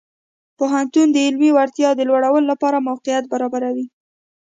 پوهنتون د علمي وړتیاو د لوړولو لپاره موقعیت برابروي.